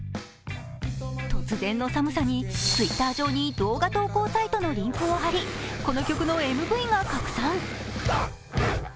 突然の寒さにＴｗｉｔｔｅｒ上に動画投稿サイトのリンクを張りこの曲のＭＶが拡散。